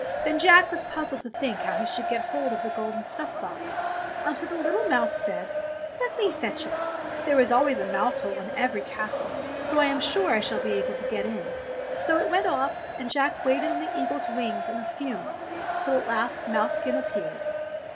Then Jack was puzzled to think how he should get hold of the golden snuff box, until the little mouse said : "Let me fetch it. There is always a mouse hole in every castle, so I am sure I shall be able to get in." So it went off, and Jack waited on the eagle's wings in a fume ; till at last mousekin appeared.